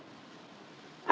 niat saja tidak ada